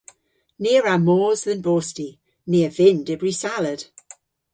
Ni a wra mos dhe'n bosti. Ni a vynn dybri salad.